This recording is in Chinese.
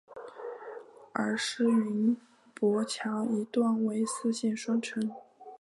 而师云砵桥一段为四线双程。